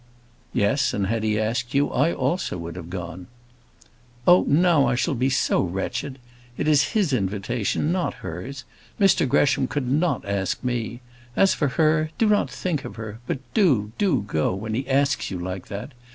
"Yes; and had he asked you, I also would have gone." "Oh! now I shall be so wretched. It is his invitation, not hers: Mr Gresham could not ask me. As for her, do not think of her; but do, do go when he asks you like that.